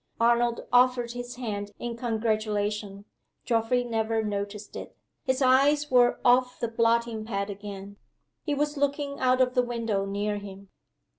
Arnold offered his hand in congratulation. Geoffrey never noticed it. His eyes were off the blotting pad again. He was looking out of the window near him.